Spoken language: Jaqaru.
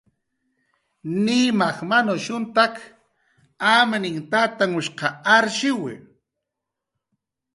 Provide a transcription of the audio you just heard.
Amninh tatanhshq Nimaj manushuntak arshiwi